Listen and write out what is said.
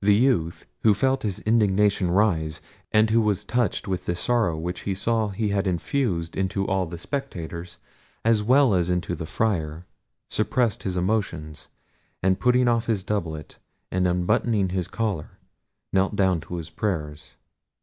The youth, who felt his indignation rise, and who was touched with the sorrow which he saw he had infused into all the spectators, as well as into the Friar, suppressed his emotions, and putting off his doublet, and unbuttoning his collar, knelt down to his prayers.